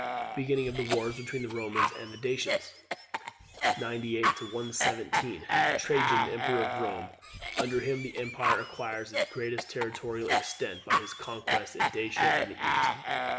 Beginning of the wars between the Romans and the Dacians. 98 117. Trajan, emperor of Rome. Under him the empire acquires its greatest territorial extent by his conquests in Dacia and in the East.